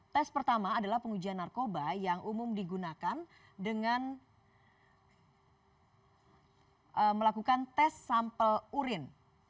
tes pertama adalah pengujian narkoba yang umum digunakan dengan melakukan tes sampel urin